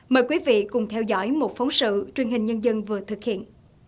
mời quý vị cùng theo dõi một phóng sự truyền hình nhân dân vừa thực hiện